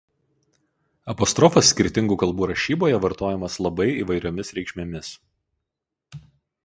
Apostrofas skirtingų kalbų rašyboje vartojamas labai įvairiomis reikšmėmis.